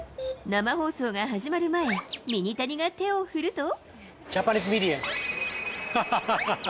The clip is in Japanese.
生放送が始まる前、ミニタニが手を振ると。